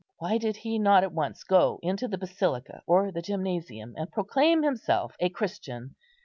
Why did he not at once go into the Basilica or the Gymnasium, and proclaim himself a Christian?